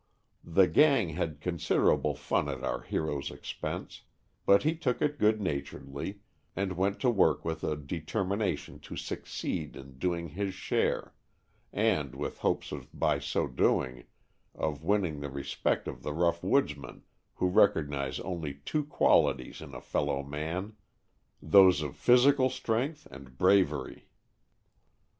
'' The "gang*' had considerable fun at our hero's expense, but he took it good naturedly and went to work with a determination to suc ceed in doing his share, and with hopes by so doing of winning the respect of the rough woodsmen who recognize only two qualities in a fellow man— those of physical strength and bravery.